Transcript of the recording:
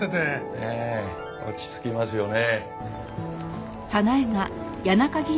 ええ落ち着きますよね。